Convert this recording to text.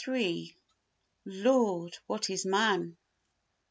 I Lord, What is Man?